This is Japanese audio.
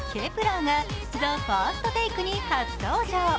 １ｅｒが「ＴＨＥＦＩＲＳＴＴＡＫＥ」に初登場。